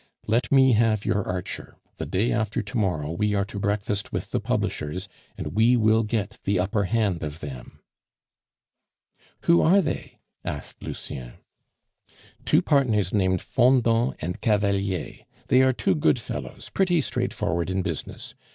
Let me have your Archer; the day after to morrow we are to breakfast with the publishers, and we will get the upper hand of them." "Who are they?" asked Lucien. "Two partners named Fendant and Cavalier; they are two good fellows, pretty straightforward in business.